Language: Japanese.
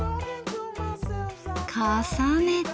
重ねて。